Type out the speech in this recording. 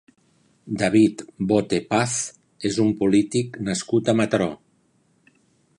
David Bote Paz és un polític nascut a Mataró.